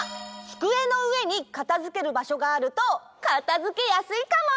つくえのうえにかたづけるばしょがあるとかたづけやすいかも！